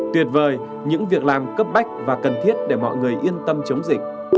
tuyệt vời những việc làm cấp bách và cần thiết để mọi người yên tâm chống dịch